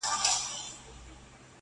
ځکه نه خېژي په تله برابر د جهان یاره,